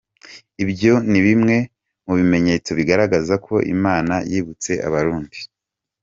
Ibyo ni bimwe mu bimenyetso bigaragaza ko Imana yibutse Abarundi”.